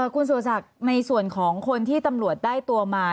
คุณสุรศักดิ์ในส่วนของคนที่ตำรวจได้ตัวมา